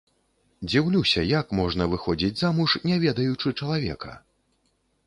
Дзіўлюся, як можна выходзіць замуж, не ведаючы чалавека?